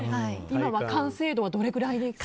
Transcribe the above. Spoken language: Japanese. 今は完成度はどれぐらいですか？